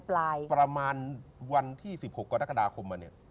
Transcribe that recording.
ประมาณวันที่๑๖กรกฎาคม